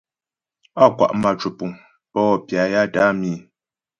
Á kwa' mâ cwəpuŋ pə wɔ pya ya tə́ á mǐ̃.